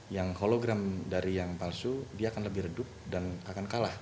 yang hologram dari yang palsu dia akan lebih redup dan akan kalah